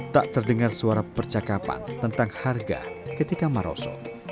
tak terdengar suara percakapan tentang harga ketika maroso